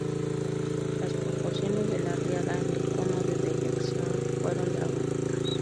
Las proporciones de la riada en el cono de deyección fueron dramáticas.